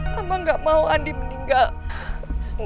kamu gak mau andi meninggal